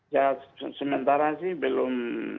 ya sementara sih belum